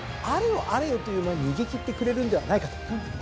あれよあれよという間に逃げ切ってくれるんではないかと。